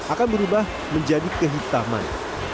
akan berubah menjadi kehitaman